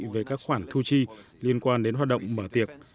về các khoản thu chi liên quan đến hoạt động mở tiệc